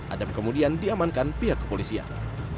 adam kemudian diamankan pihak kepolisian